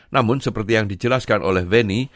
namun seperti yang dijelaskan oleh weni